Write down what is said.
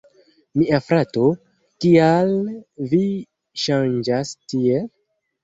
Mia frato, kial vi ŝanĝas tiel?